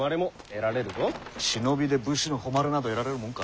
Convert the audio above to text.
忍びで武士の誉れなど得られるもんか。